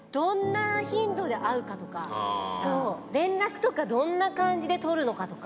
連絡とかどんな感じで取るのかとか。